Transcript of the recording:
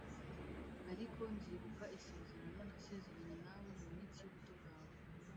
Ariko nzibuka isezerano nasezeranye nawe mu minsi y’ubuto bwawe